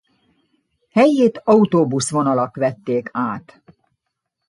Helyét autóbuszvonalak vették át.